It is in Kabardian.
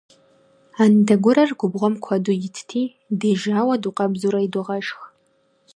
Андэгурэр губгъуэм куэду итти, дежауэ дукъэбзурэ идогъэшх.